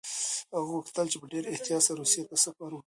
هغه غوښتل چې په ډېر احتیاط سره روسيې ته سفر وکړي.